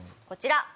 こちら。